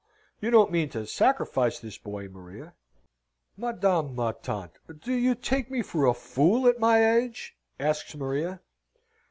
You don't mean to sacrifice this boy, Maria?" "Madame ma tante, do you take me for a fool at my age?" asks Maria.